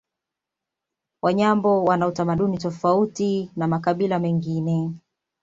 Wanyambo wana utamaduni tofauti na makabila mengine